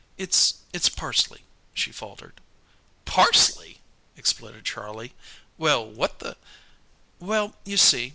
"It it's parsley," she faltered. "Parsley!" exploded Charlie. "Well, what the " "Well, you see.